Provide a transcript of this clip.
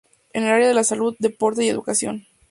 En el área de la salud, deporte y educación.